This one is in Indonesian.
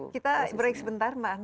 kita break sebentar mbak anna